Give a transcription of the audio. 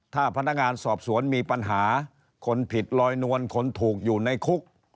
ถ้าพนักงานสอบสวนมีปัญหาคนผิดลอยนวลคนถูกอยู่ในคุก